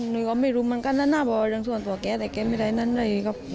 กูก็ไม่รู้มันกั้นน่าน่าก็ว่าเรื่องส่วนตัวไกลแต่ไกลไม่ได้นั้นอื่นครับ